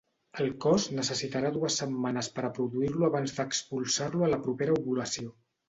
El cos necessitarà dues setmanes per a produir-lo abans d'expulsar-lo a la propera ovulació.